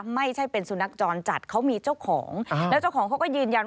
ไม่ใช่เป็นสุนัขจรจัดเขามีเจ้าของแล้วเจ้าของเขาก็ยืนยัน